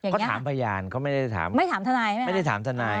เขาถามพยานเขาไม่ได้ถามไม่ได้ถามทนาย